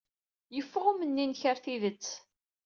Yeffeɣ umenni-nnek ɣer tidet?